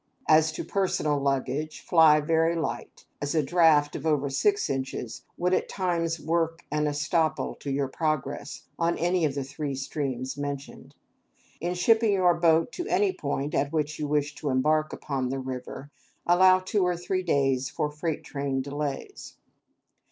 As to personal baggage, fly very light, as a draught of over six inches would at times work an estoppel to your progress on any of the three streams mentioned. In shipping your boat to any point at which you wish to embark upon a river, allow two or three days for freight train delays.